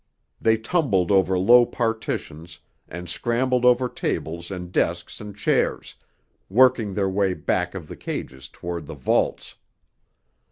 They tumbled over low partitions and scrambled over tables and desks and chairs, working their way back of the cages toward the vaults.